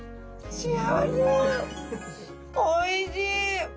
おいしい！